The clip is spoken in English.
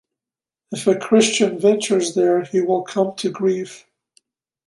If a Christian ventures there, he will come to grief.